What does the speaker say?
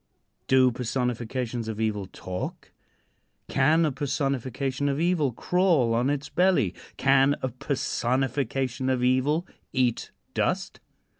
Do personifications of evil talk? Can a personification of evil crawl on its belly? Can a personification of evil eat dust?